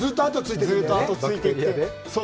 ずっと後をついていって。